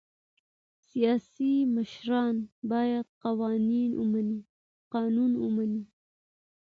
سیاسي مشران باید قانون ومني